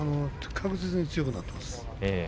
確実に強くなっています。